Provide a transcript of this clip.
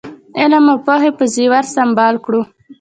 علم او پوهې په زېور سمبال کړو.